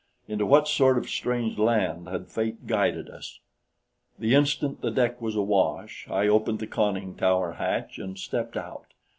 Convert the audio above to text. Into what sort of strange land had fate guided us? The instant the deck was awash, I opened the conning tower hatch and stepped out.